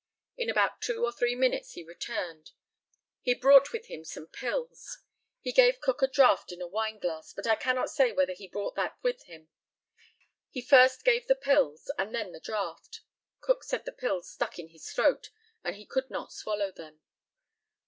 In about two or three minutes he returned. He brought with him some pills. He gave Cook a draught in a wineglass, but I cannot say whether he brought that with him. He first gave the pills, and then the draught. Cook said the pills stuck in his throat, and he could not swallow them.